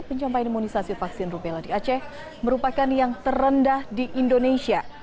pencapaian imunisasi vaksin rubella di aceh merupakan yang terendah di indonesia